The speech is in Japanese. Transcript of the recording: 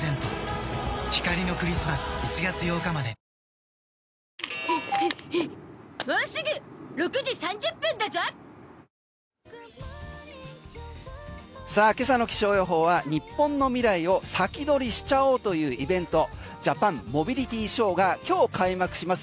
「ロキソニンＳプレミアムファイン」ピンポーンさあ、今朝の気象予報は日本の未来を先取りしちゃおうというイベントジャパンモビリティショーが今日開幕します